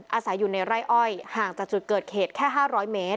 อาศัยอยู่ในไร่อ้อยห่างจากจุดเกิดเหตุแค่๕๐๐เมตร